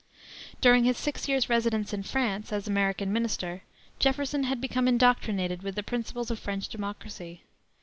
During his six years' residence in France, as American Minister, Jefferson had become indoctrinated with the principles of French democracy.